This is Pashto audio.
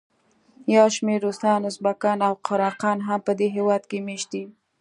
یو شمېر روسان، ازبکان او قراقان هم په دې هېواد کې مېشت دي.